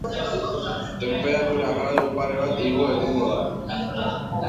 Tenperatura gradu pare bat igo egingo da.